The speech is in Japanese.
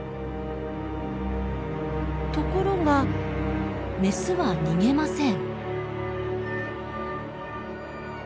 ところがメスは逃げません。